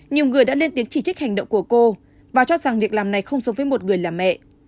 nhiều người đã lên tiếng chỉ trích hành động của cô và cho rằng việc làm này không giống với một người là mẹ